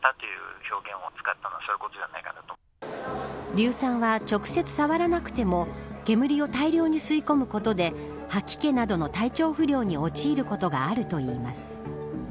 硫酸は、直接触らなくても煙を大量に吸い込むことで吐き気などの体調不良に陥ることがあるといいます。